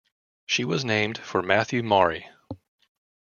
She was named for Matthew Maury.